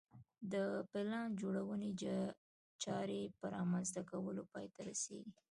د پلان جوړونې چارې په رامنځته کولو پای ته رسېږي